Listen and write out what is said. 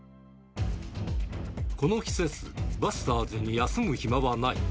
この季節、バスターズに休む暇はない。